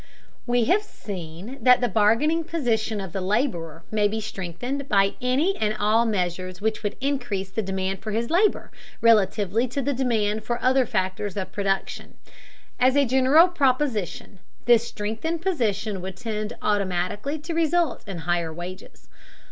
We have seen that the bargaining position of the laborer may be strengthened by any and all measures which would increase the demand for his labor, relatively to the demand for the other factors of production. As a general proposition, this strengthened position would tend automatically to result in higher wages.